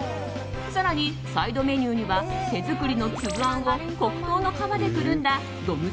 更に、サイドメニューには手作りの粒あんを黒糖の皮でくるんだどむ